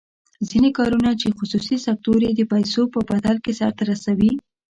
ځینې کارونه چې خصوصي سکتور یې د پیسو په بدل کې سر ته رسوي.